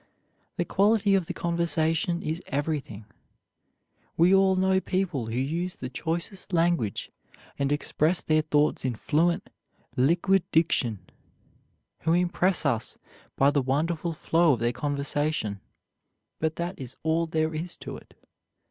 The quality of the conversation is everything. We all know people who use the choicest language and express their thoughts in fluent, liquid diction, who impress us by the wonderful flow of their conversation; but that is all there is to it.